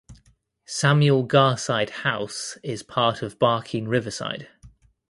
Samuel Garside House is part of Barking Riverside.